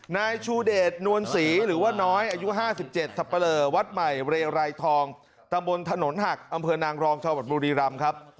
นายชูเดชนวลศรีหรือว่าน้อยอายุ๕๗สับปะเลอวัดใหม่เรไรทองตะบนถนนหักอำเภอนางรองจังหวัดบุรีรำครับ